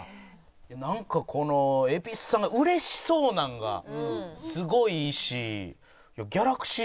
なんかこの蛭子さんが嬉しそうなのがすごいいいし。